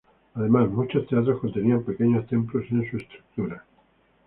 Además, muchos teatros contenían pequeños templos en su estructura.